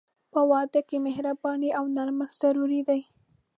په واده کې مهرباني او نرمښت ضروري دي.